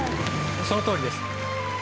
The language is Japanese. そのとおりです。